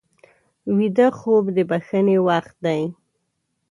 ویده خوب د بښنې وخت دی